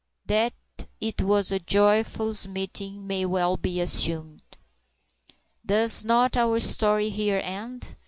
That it was a joyous meeting may well be assumed. Does not our story here end?